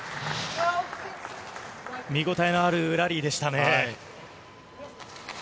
見応えのあるラリーでしたね。